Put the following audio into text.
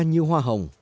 như hoa hồng